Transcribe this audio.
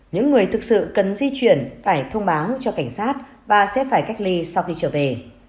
những người thực sự cần di chuyển phải thông báo cho cảnh sát và sẽ phải cách ly sau khi trở về